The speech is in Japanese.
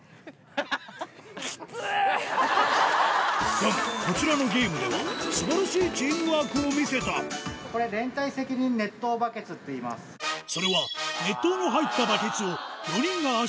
だがこちらのゲームでは素晴らしいチームワークを見せたそれは４人がいいですね！